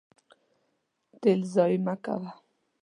تیل ضایع مه کوه.